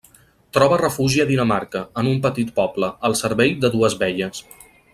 Troba refugi a Dinamarca, en un petit poble, al servei de dues velles.